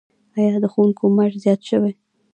آیا د ښوونکو معاش زیات شوی؟